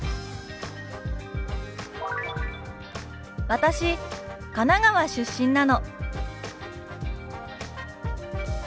「私神奈川出身なの」。